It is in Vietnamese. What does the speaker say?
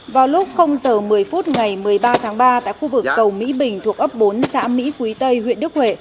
vào lúc giờ một mươi phút ngày một mươi ba tháng ba tại khu vực cầu mỹ bình thuộc ấp bốn xã mỹ quý tây huyện đức huệ